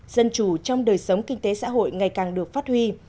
dân chủ trong đời sống kinh tế xã hội ngày càng được phát huy